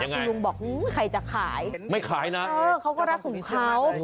ไปเที่ยวลุงบอกหือใครจะขายไม่ขายนะเค้าก็รักของเค้า